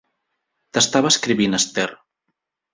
T'estava escrivint, Esther.